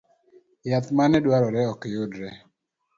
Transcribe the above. Yath maneduarore okyudre